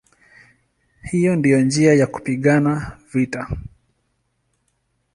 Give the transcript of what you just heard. Hiyo ndiyo njia ya kupigana vita".